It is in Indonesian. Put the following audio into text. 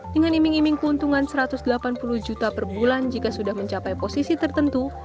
dengan iming iming keuntungan satu ratus delapan puluh juta per bulan jika sudah mencapai posisi tertentu